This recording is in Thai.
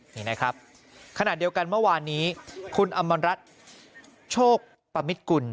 นี่นะครับขณะเดียวกันเมื่อวานนี้คุณอำมณรัฐโชคปมิตกุล